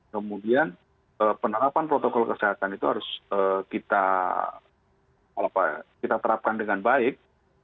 kemudian penerapan protokol kesehatan itu harus kita terapkan dengan baik